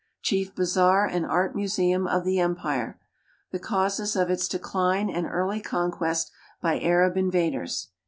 Chief bazaar and art museum of the empire. The causes of its decline and early conquest by Arab invaders.